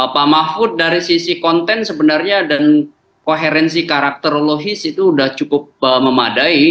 pak mahfud dari sisi konten sebenarnya dan koherensi karakterologis itu sudah cukup memadai